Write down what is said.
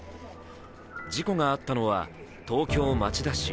事故があったのは、東京・町田市。